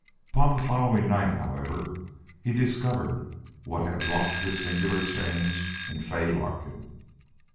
Upon the following night, however, he discovered what had wrought this singular change in Fay Larkin.